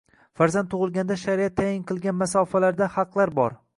Farzand tug‘ilganda shariat tayin qilgan masofalarda haqlar bor